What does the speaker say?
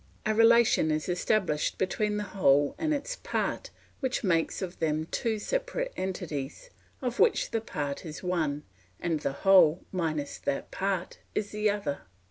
A relation is established between the whole and its part which makes of them two separate entities, of which the part is one, and the whole, minus that part, is the other.